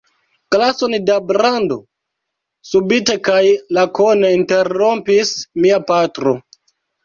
Glason da brando? subite kaj lakone interrompis mia patro.